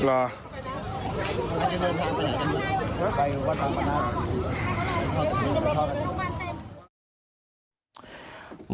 ครับ